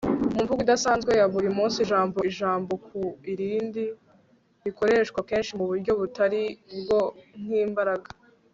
Mu mvugo idasanzwe ya buri munsi ijambo ijambo ku rindi rikoreshwa kenshi mu buryo butari bwo nkimbaraga